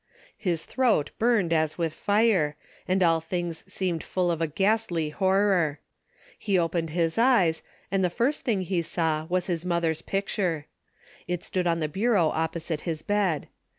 His throat burned as with fire, and all things seemed full of a ghastly horror. He opened his eyes, and the first thing he saw was his mother's picture. It stood on the bureau opposite his bed.